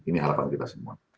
ini harapan kita semua